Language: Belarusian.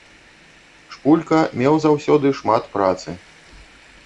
Шпулька меў заўсёды шмат працы.